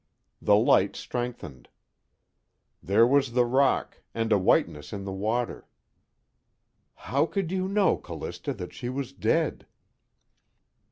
The light strengthened; there was the rock, and a whiteness in the water. _How could you know, Callista, that she was dead?